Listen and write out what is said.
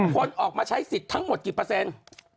คนออกมาใช้สิทธิ์ทั้งหมดกี่เปอร์เซ็นต์